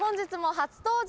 初登場。